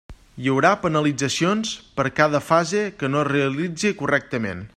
Hi haurà penalitzacions per cada fase que no es realitzi correctament.